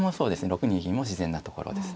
６二銀も自然なところですね。